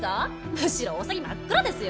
むしろお先真っ暗ですよ。